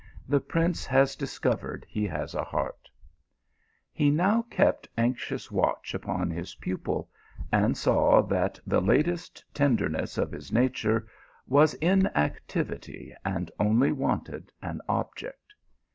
" The prince has discovered he has a heart !" He now kept anxious watch upon his pupil, and saw that the latent tenderness of his nature was in activ ity, and only wanted an object.